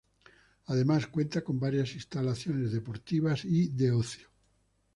Además cuenta con varias instalaciones deportivas y de ocio.